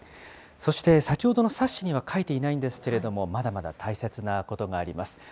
そして先ほどの冊子には書いていないんですけれども、まだまだ大切なことがあります。